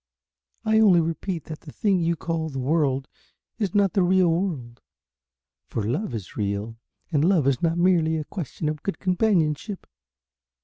I only repeat that the thing you call the World is not the real world, for love is real, and love is not merely a question of good companionship.